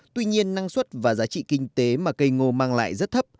tuy nhiên năng suất và giá trị kinh tế mà cây ngô mang lại rất thấp